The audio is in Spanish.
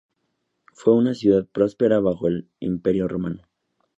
Fue una ciudad próspera bajo el Imperio romano.